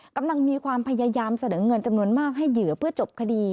กำลังมีความพยายามเสนอเงินจำนวนมากให้เหยื่อเพื่อจบคดี